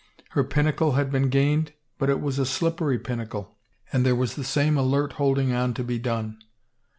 Her pinnacle had been gained but it was a slippery pinnacle and there was the same alert holding on to be done.